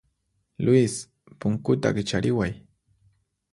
Luis, punkuta kichariway.